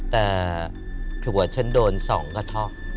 แต่ผิวหัวฉันโดนสองกระทอก